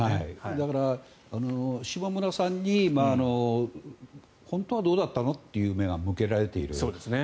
だから、下村さんに本当はどうだったのっていう目が向けられている。